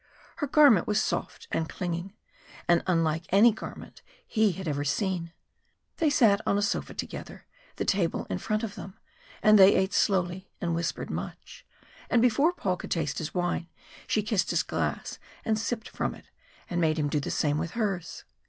Her garment was soft and clinging, and unlike any garment he had ever seen. They sat on a sofa together, the table in front of them, and they ate slowly and whispered much and before Paul could taste his wine, she kissed his glass and sipped from it and made him do the same with hers.